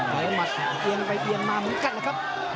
หมัดเตียงไปเตียงมาเหมือนกันนะครับ